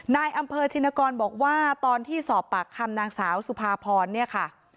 นายอำเภอชินกรบอกว่าตอนที่สอบปากคำนางสาวสุภาพรเนี่ยค่ะ